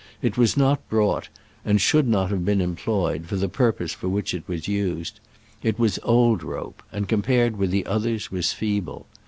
It was not brought, and should not have been employed, for the purpose for which it was used. It was old rope, and, compared with the others, was feeble.